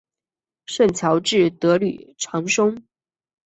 圣乔治德吕藏松。